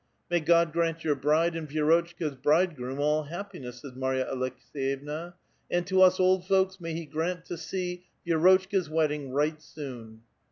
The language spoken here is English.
" May God grant your bride and Vi^rotchka's 1 ridegroom all happiness," says Marya Aleks^yevua; ''and to us old folks may He grant to see Vi^rotchka's wedding right soon